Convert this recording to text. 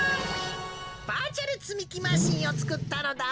バーチャルつみきマシーンをつくったのだ。